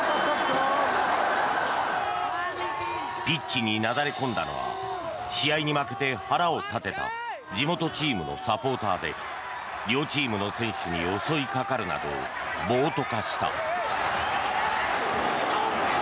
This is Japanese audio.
ピッチになだれ込んだのは試合に負けて腹を立てた地元チームのサポーターで両チームの選手に襲いかかるなど暴徒化した。